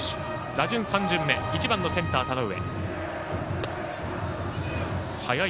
打順３巡目、１番のセンター田上。